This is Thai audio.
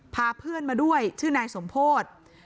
พาเพื่อนมาด้วยชื่อนายสมโพธิ